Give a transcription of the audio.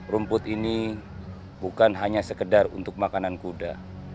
rumput ini bukan hanya sekedar untuk makanan kuda